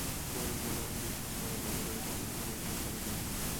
কোনরূপ মতামতে বিশ্বাস করা না করার উপর ধর্ম নির্ভর করে না।